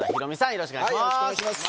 よろしくお願いします。